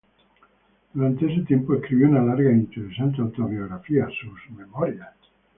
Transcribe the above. Durante ese tiempo escribió una larga e interesante autobiografía, sus "Memorias".